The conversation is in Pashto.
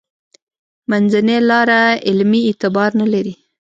منځنۍ لاره علمي اعتبار نه لري.